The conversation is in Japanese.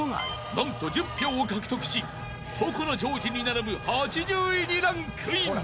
［何と１０票を獲得し所ジョージに並ぶ８０位にランクイン］